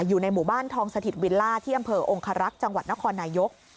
อยู่ในหมู่บ้านทองสถิตวิลล่าที่อำเภอองคารักษ์จังหวัดนครนายก